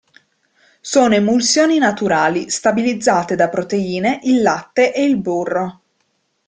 Sono emulsioni naturali, stabilizzate da proteine, il latte e il burro.